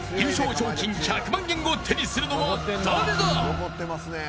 賞金１００万円を手にするのは誰だ。